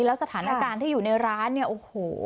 แล้วสถานการณ์ที่อยู่ในร้านเนี่ยโอ้โห